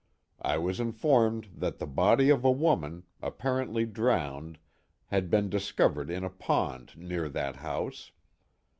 I was informed that the body of a woman, apparently drowned, had been discovered in a pond near that house.